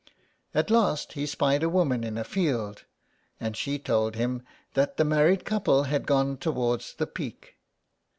At last he spied a woman in a field, and she told him that the married couple had gone towards the Peak.